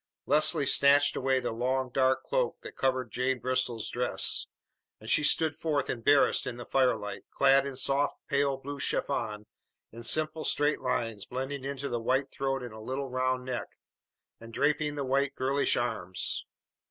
Leslie snatched away the long, dark cloak that covered Jane Bristol's dress; and she stood forth embarrassed in the firelight, clad in soft, pale blue chiffon in simple straight lines blending into the white throat in a little round neck, and draping the white girlish, arms.